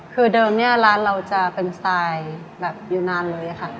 คือเดิมเนี่ยร้านเราจะเป็นสไตล์แบบอยู่นานเลยค่ะ